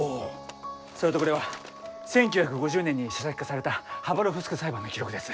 それとこれは１９５０年に書籍化されたハバロフスク裁判の記録です。